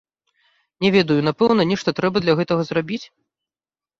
Не ведаю, напэўна, нешта трэба для гэтага зрабіць?